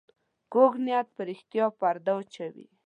کوږ نیت پر رښتیا پرده واچوي